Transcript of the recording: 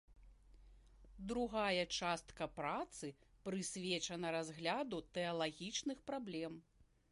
Другая частка працы прысвечана разгляду тэалагічных праблем.